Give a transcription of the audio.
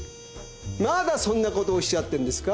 まだそんなことをおっしゃってんですか！？